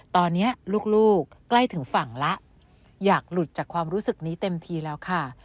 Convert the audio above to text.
ตอนนี้ลูกใกล้ถึงฝั่งแล้วอยากหลุดจากความรู้สึกนี้เต็มทีแล้วค่ะ